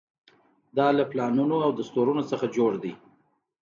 دا له پلانونو او دستورونو څخه جوړ دی.